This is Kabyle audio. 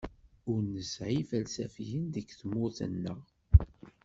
Ur nesɛi ifelsafiyen deg tmurt-nneɣ.